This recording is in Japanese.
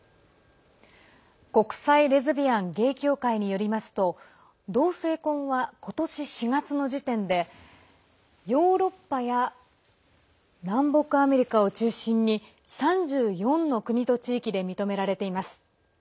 国際レズビアン・ゲイ協会によりますと同性婚は今年４月の時点でヨーロッパや南北アメリカを中心に３４の国と地域で認められています。